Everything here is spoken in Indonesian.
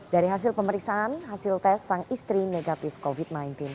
dari hasil pemeriksaan hasil tes sang istri negatif covid sembilan belas